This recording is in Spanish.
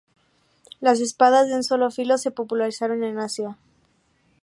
Las espadas de un solo filo se popularizaron en Asia.